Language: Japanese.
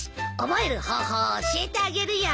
覚える方法を教えてあげるよ。